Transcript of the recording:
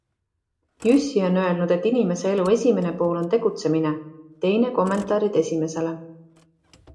Jüssi on öelnud, et inimese elu esimene pool on tegutsemine, teine kommentaarid esimesele.